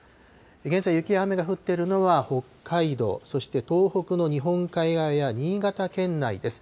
現在、雪や雨が降っているのは北海道、そして東北の日本海側や新潟県内です。